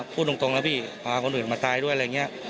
พูดตรงนะพี่พาคนอื่นมาตายด้วยอะไรอย่างนี้